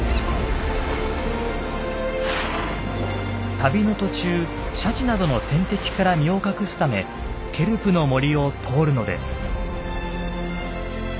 旅の途中シャチなどの天敵から身を隠すためケルプの森を通るのです。